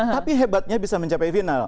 tapi hebatnya bisa mencapai final